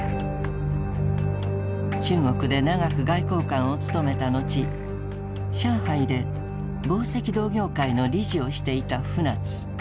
中国で長く外交官を務めた後上海で紡績同業会の理事をしていた船津。